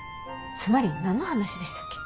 つまり何の話でしたっけ？